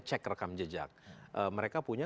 cek rekam jejak mereka punya